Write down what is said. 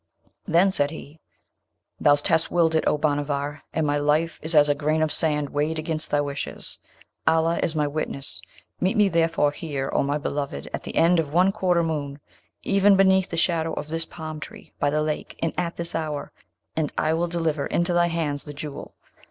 Then said he, 'Thou hast willed it, O Bhanavar! and my life is as a grain of sand weighed against thy wishes; Allah is my witness! Meet me therefore here, O my beloved, at the end of one quarter moon, even beneath the shadow of this palm tree, by the lake, and at this hour, and I will deliver into thy hands the Jewel.